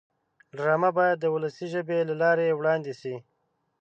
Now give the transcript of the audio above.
ډرامه باید د ولسي ژبې له لارې وړاندې شي